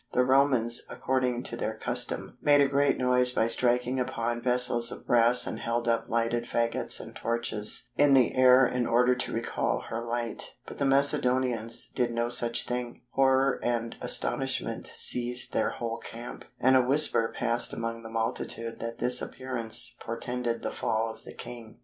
The Romans, according to their custom, made a great noise by striking upon vessels of brass and held up lighted faggots and torches in the air in order to recall her light; but the Macedonians did no such thing; horror and astonishment seized their whole camp, and a whisper passed among the multitude that this appearance portended the fall of the king.